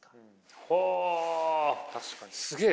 すげえ！